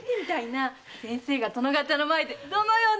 先生が殿方の前でどうなるか！